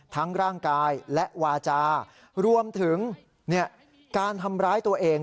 ทั้งร่างกายและวาจารวมถึงการทำร้ายตัวเอง